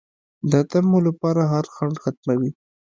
د طمعو لپاره هر خنډ ختموي